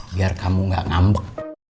biar kamu gak ngambek